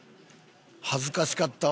恥ずかしかったわ。